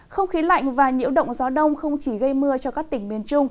không khí lạnh và nhiễu động gió đông không chỉ gây mưa cho các tỉnh miền trung